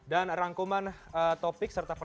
dan rangkuman topik serta perjalanan ini